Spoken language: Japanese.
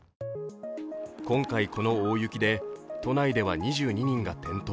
今回、この大雪で都内では２２人が転倒。